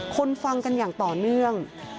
คนฟังกันอย่างต่อเนื่อง